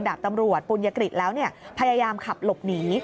ดาบตำรวจปุญยกฤษแล้วพยายามขับหลบหนี